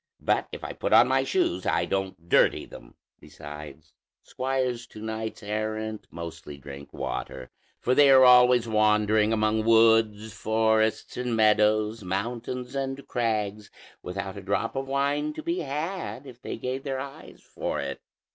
But if I put on my shoes I don't dirty them; besides, squires to knights errant mostly drink water, for they are always wandering among woods, forests, and meadows, mountains and crags, without a drop of wine to be had if they gave their eyes for it."